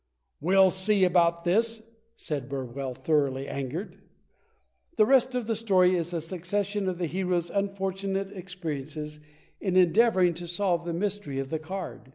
"We'll see about this," said Burwell, thoroughly angered. The rest of the story is a succession of the hero's unfor tunate experiences in endeavoring to solve the mystery of the card.